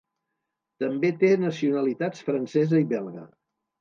També té nacionalitats francesa i belga.